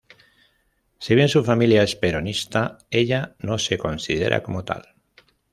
Si bien su familia es peronista, ella no se considera como tal.